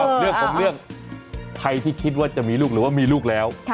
เรื่องของเรื่องใครที่คิดว่าจะมีลูกหรือว่ามีลูกแล้ว